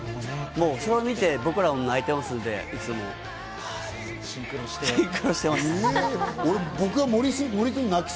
それを見て、僕らも泣いてますんで、シンクロしてます。